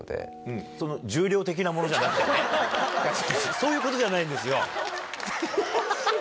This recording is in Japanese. そういうことじゃないんですよ。